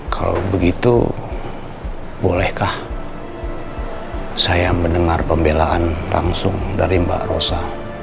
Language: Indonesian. kalau begitu bolehkah saya mendengar pembelaan langsung dari mbak rosa